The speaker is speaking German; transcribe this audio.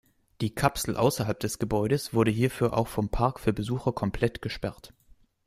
Die Kapsel außerhalb des Gebäudes wurde hierfür auch vom Park für Besucher komplett gesperrt.